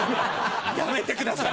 やめやめてください！